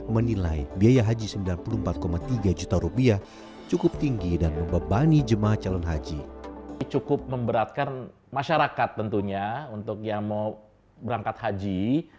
menilai biaya haji sembilan puluh empat tiga juta rupiah cukup tinggi dan membebani jemaah calon haji cukup memberatkan